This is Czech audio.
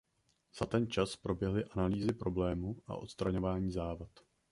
Za ten čas proběhly analýzy problému a odstraňování závad.